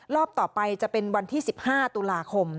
รอบต่อไปจะเป็นวันที่๑๕ตุลาคม